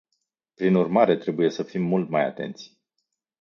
Prin urmare, trebuie să fim mult mai atenți.